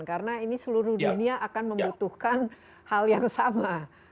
karena ini seluruh dunia akan membutuhkan hal yang sama